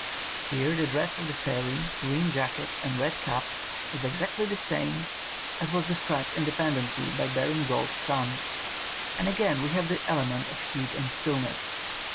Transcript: ' Here the dress of the fairy, green jacket and red cap, is exactly the same as was 132 INDEPENDENT EVIDENCE FOR FAIRIES described independently by Baring Gould's son, and again we have the elements of heat and stillness.